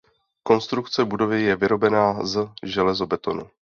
Konstrukce budovy je vyrobena z železobetonu.